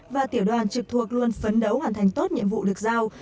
và tiểu đoàn trực thuộc luôn phấn đấu hoàn thành tốt nhiệm vụ được giao